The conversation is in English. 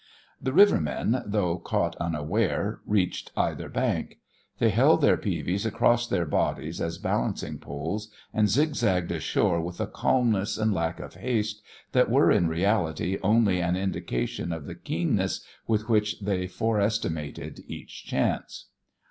The rivermen, though caught unaware, reached either bank. They held their peavies across their bodies as balancing poles, and zig zagged ashore with a calmness and lack of haste that were in reality only an indication of the keenness with which they fore estimated each chance.